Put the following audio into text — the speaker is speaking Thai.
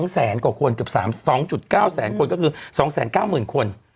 แสนกว่าคนเกือบ๒๙แสนคนก็คือ๒๙๐๐คน